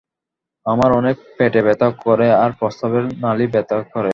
আমার অনেক পেটে ব্যথা করে আর প্রস্রাবের নালী ব্যথা করে।